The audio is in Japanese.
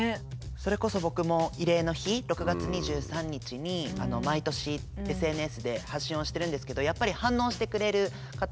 それこそ僕も慰霊の日６月２３日に毎年ＳＮＳで発信をしてるんですけどやっぱり反応してくれる方